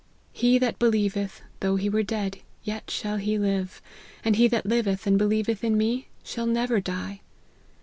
' He that belie veth, though he were dead, yet shall he live ; and he that liveth, and believeth in me, shall never die.